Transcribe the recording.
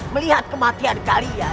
melihat kematian kalian